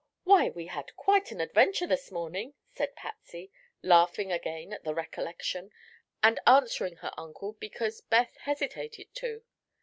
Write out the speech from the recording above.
"Why, we had quite an adventure this morning," said Patsy, laughing again at the recollection, and answering her uncle because Beth hesitated to.